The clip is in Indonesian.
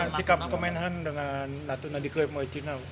dengan sikap kemenahan dengan natuna di kmu cina